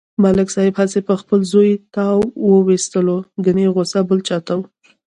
ملک صاحب هسې په خپل زوی تاو و ایستلو کني غوسه بل چاته و.